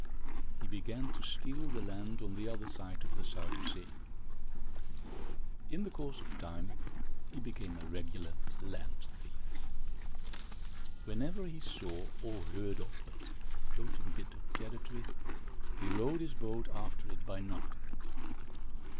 He began to steal the land on the other side of the Zuyder Zee. In the course of time, he became a regular land thief. Whenever he saw, or heard of, a floating bit of territory, he rowed his boat after it by night.